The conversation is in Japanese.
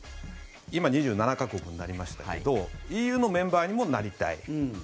今、２７か国になりましたがＥＵのメンバーにもなりたい。